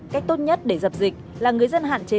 cách tốt nhất để dập dịch là người dân hạn chế